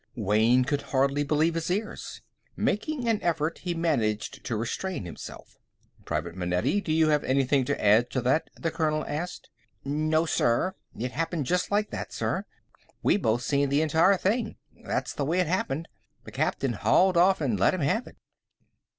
Wayne could hardly believe his ears. Making an effort, he managed to restrain himself. "Private Manetti, do you have anything to add to that?" the colonel asked. "No, sir. It happened just like that, sir. We both seen the entire thing. That's the way it happened. The captain hauled off and let him have it."